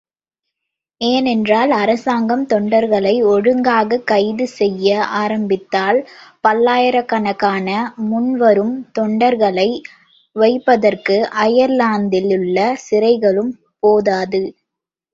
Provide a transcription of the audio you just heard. ஏனென்றால் அரசாங்கம் தொண்டர்களை ஒழுங்காகக் கைது செய்ய ஆரம்பித்தால் பல்லாயிரக்கணக்காக முன்வரும் தொண்டர்களை வைப்பதற்கு அயர்லாந்திலுள்ள சிறைகளும் போதாது.